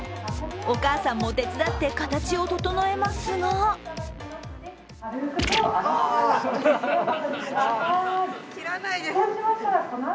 お母さんも手伝って形を整えますが切らないで！